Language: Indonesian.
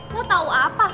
lo tau apa